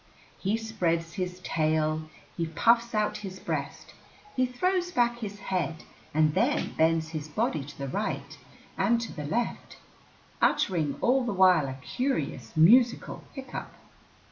He spreads his tail, he puffs out his breast, he throws back his head and then bends his body to the right and to the left, uttering all the while a curious musical hiccough.